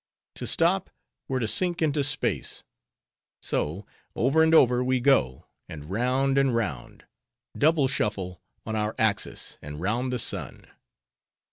To stop, were to sink into space. So, over and over we go, and round and round; double shuffle, on our axis, and round the sun.